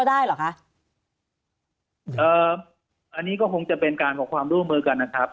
อันนี้ก็คงจะเป็นการบอกความร่วมมือกันนะครับ